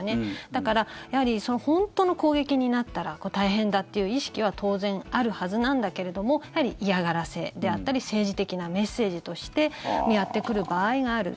だから本当の攻撃になったら大変だっていう意識は当然あるはずなんだけれども嫌がらせであったり政治的なメッセージとしてやってくる場合がある。